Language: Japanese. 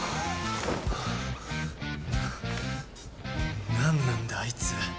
な何なんだあいつ